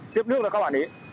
tiếp nước là các bạn ấy